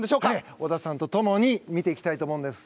織田さんと共に見ていきたいと思うんです。